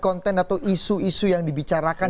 konten atau isu isu yang dibicarakan